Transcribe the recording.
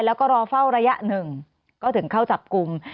แล้วก็รอเฝ้าระยะหนึ่งก็ถึงเข้าจับกลุ่ม